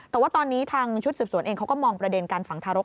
แต่ว่าตอนนี้ทางชุดสืบสวนเองเขาก็มองประเด็นการฝังทารก